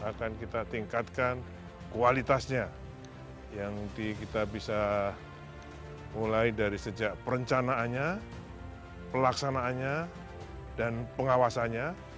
akan kita tingkatkan kualitasnya yang kita bisa mulai dari sejak perencanaannya pelaksanaannya dan pengawasannya